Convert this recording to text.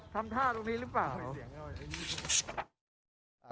ทำท่าตรงนี้หรือเปล่า